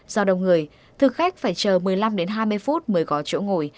do đông người thực khách phải chờ một mươi năm đến hai mươi phút mới có chỗ ngồi